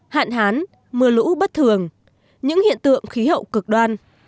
hạn hán mưa lũ bất thường những hiện tượng khí hậu cực đoan